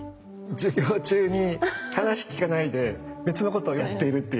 授業中に話聞かないで別のことをやっているという。